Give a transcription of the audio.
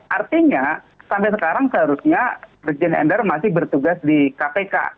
artinya sampai sekarang seharusnya brigjen endar masih bertugas di kpk